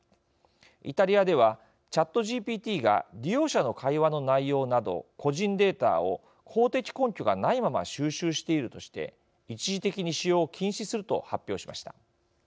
イタリアではＣｈａｔＧＰＴが利用者の会話の内容など個人データを法的根拠がないまま収集しているとして一時的に使用を禁止すると発表しました。